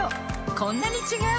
こんなに違う！